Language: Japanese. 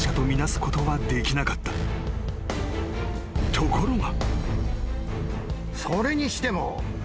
［ところが］